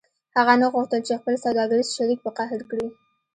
هغه نه غوښتل چې خپل سوداګریز شریک په قهر کړي